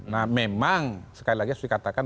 nah memang sekali lagi harus dikatakan